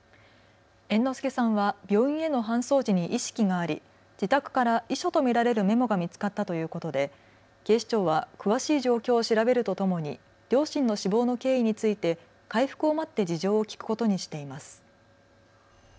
猿之助さんは病院への搬送時に意識があり、自宅から遺書と見られるメモが見つかったということで警視庁は詳しい状況を調べるとともに両親の死亡の経緯について回復を待って事情を聴くことにしています。